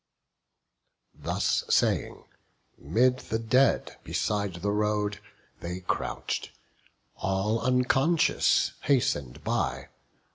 Thus saying, 'mid the dead, beside the road They crouch'd; he, all unconscious, hasten'd by.